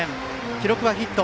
記録はヒット。